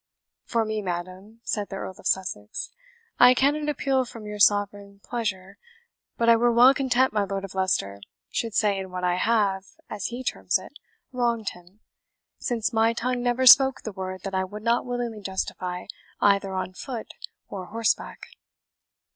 "For me, madam," said the Earl of Sussex, "I cannot appeal from your sovereign pleasure; but I were well content my Lord of Leicester should say in what I have, as he terms it, wronged him, since my tongue never spoke the word that I would not willingly justify either on foot or horseback.